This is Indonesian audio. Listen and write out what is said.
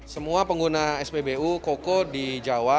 semua pengguna spbu koko di jawa